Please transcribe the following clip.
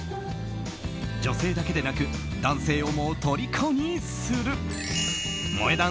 女性だけでなく男性をもとりこにする萌え断